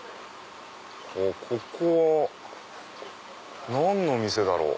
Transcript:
ここは何の店だろう？